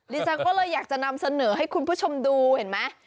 ดิฉันก็เลยอยากจะนำเสนอให้คุณผู้ชมดูเห็นไหม